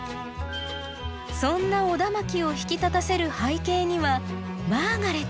そんなオダマキを引き立たせる背景にはマーガレット。